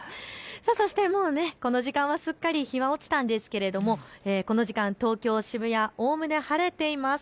そしてもうこの時間はすっかり日が落ちたんですが、この時間東京渋谷、おおむね晴れています。